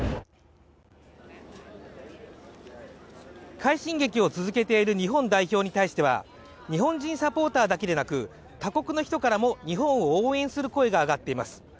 快進撃を続けている日本代表に対しては日本人サポーターだけでなく他国の人からも日本を応援する声が上がっています。